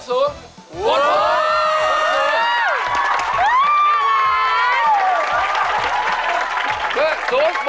สูงสูง